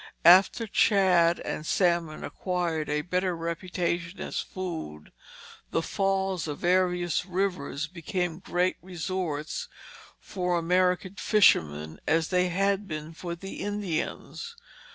After shad and salmon acquired a better reputation as food, the falls of various rivers became great resorts for American fishermen as they had been for the Indians.